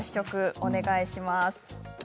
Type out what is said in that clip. お願いします。